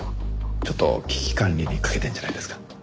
ちょっと危機管理に欠けてるんじゃないですか？